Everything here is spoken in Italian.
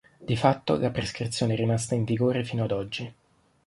Di fatto, la prescrizione è rimasta in vigore fino ad oggi.